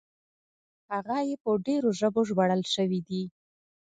هغه یې په ډېرو ژبو ژباړل شوي دي.